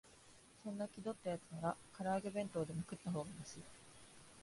そんな気取ったやつなら、から揚げ弁当でも買ったほうがマシ